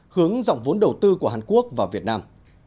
hướng dòng vốn đầu tư của hàn quốc vào việt nam